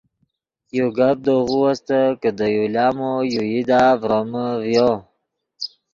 یو گپ دے غو استت کہ دے یو لامو یو ایدا ڤرومے ڤیو